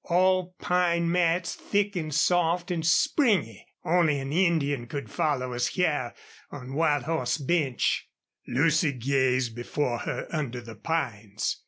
All pine mats thick an' soft an' springy. Only an Indian could follow us hyar on Wild Hoss Bench." Lucy gazed before her under the pines.